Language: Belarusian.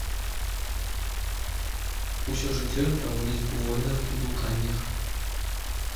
Усё жыццё ён праводзіць у войнах і блуканнях.